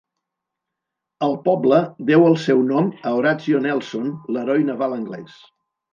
El poble deu el seu nom a Horatio Nelson, l'heroi naval anglès.